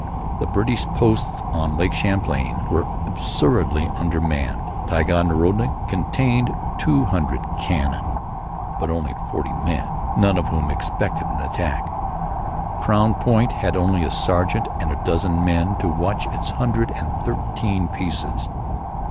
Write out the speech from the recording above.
The British posts on Lake Champlain were absurdly undermanned. Ticonderoga contained two hundred cannon, but only forty men, none of whom expected an attack. Crown Point had only a sergeant and a dozen men to watch its hundred and thirteen pieces.